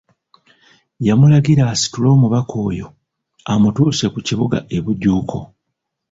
Yamulagira asitule omubaka oyo amutuuse ku Kibuga e Bujuuko.